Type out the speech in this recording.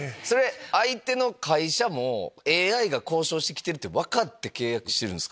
相手の会社もＡＩが交渉してると分かって契約してるんすか？